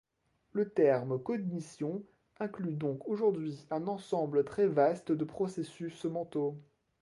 Le terme cognition inclut donc aujourd'hui un ensemble très vaste de processus mentaux.